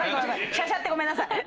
しゃしゃってごめんなさい。